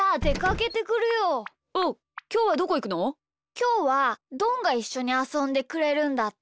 きょうはどんがいっしょにあそんでくれるんだって。